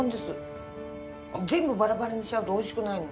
全部バラバラにしちゃうと美味しくないの。